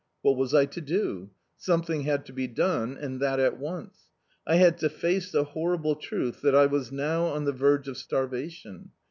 What was I to do? Some thing had to be done, and that at once. I had to face the horrible truth that I was now on the verge of starvation.